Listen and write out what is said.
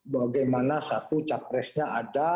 bagaimana satu capresnya ada